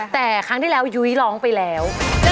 แต่ครั้งที่แล้วยุ้ยร้องไปแล้ว